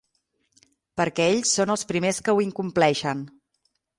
Perquè ells són els primers que ho incompleixen.